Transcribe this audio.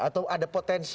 atau ada potensi